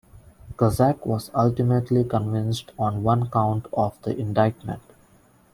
Kuczek was ultimately convicted on one count of the indictment.